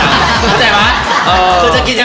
เข้าใจไหม